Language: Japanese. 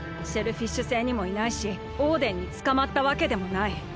シェルフィッシュ星にもいないしオーデンにつかまったわけでもない。